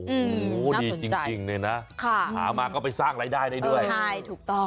โอ้โหดีจริงจริงเลยนะค่ะหามาก็ไปสร้างรายได้ได้ด้วยใช่ถูกต้อง